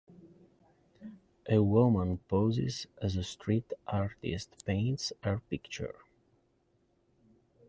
A woman poses as a street artist paints her picture.